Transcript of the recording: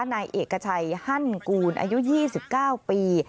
นายเอกชัยฮั่นกูลอายุ๒๙ปี